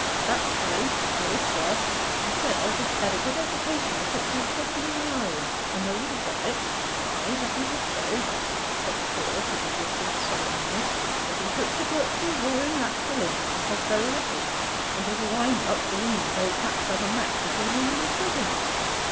'That's true: 'a would, sir.' 'I said, I'll give Ted a good education if it do cost me my eyes, and I would have done it.' 'Ay, that you would so,' said the chorus of assistants solemnly. 'But he took to books and drawing naturally, and cost very little; and as a wind up the womenfolk hatched up a match between him and his cousin.